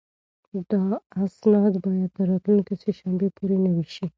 دا اسناد باید تر راتلونکې سه شنبې پورې نوي شي.